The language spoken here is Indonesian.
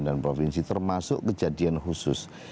dan provinsi termasuk kejadian khusus